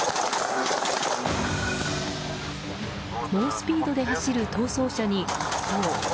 猛スピードで走る逃走車に発砲。